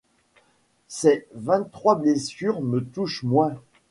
Ses vingt-trois blessures me touchent moins